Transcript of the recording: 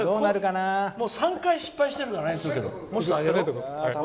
３回失敗してるからね。